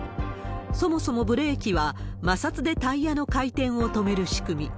そもそもブレーキは、摩擦でタイヤの回転を止める仕組み。